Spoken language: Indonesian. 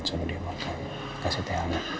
coba dia makan kasih tehanan